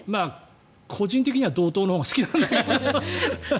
個人的には道東のほうが好きなんだけどね。